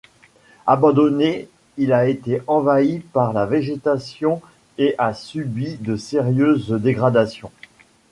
Abandonné, il a été envahi par la végétation et a subi de sérieuses dégradations.